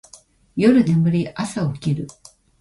夜眠り、朝起きる